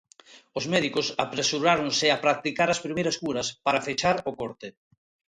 Os médicos apresuráronse a practicar as primeiras curas para fechar o corte.